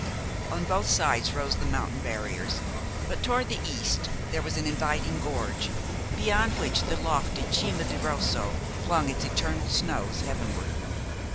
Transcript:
On both sides rose the mountain barriers; but toward the east there was an inviting gorge, beyond which the lofty Cima di Rosso flung its eternal snows heavenward.